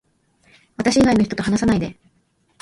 私以外の人と話さないで